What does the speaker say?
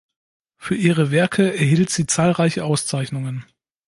Für ihre Werke erhielt sie zahlreiche Auszeichnungen.